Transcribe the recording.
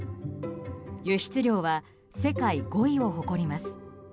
輸出量は世界５位を誇ります。